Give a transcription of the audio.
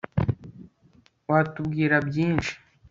Watubwira byinshi